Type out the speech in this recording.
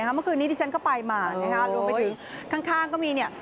เมื่อคืนนี้ที่ฉันก็ไปมารวมไปถึงข้างก็มีนี่